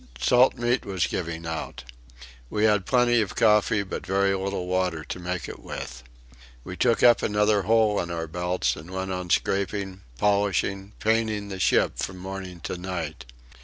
Salt meat was giving out. We had plenty of coffee but very little water to make it with. We took up another hole in our belts and went on scraping, polishing, painting the ship from morning to night.